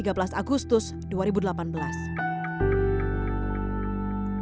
jadi sebenarnya intinya rendungan jiwa ini adalah memberikan kesempatan untuk para calon paski beraka